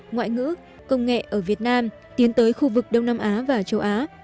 ngoại ngữ công nghệ ở việt nam tiến tới khu vực đông nam á và châu á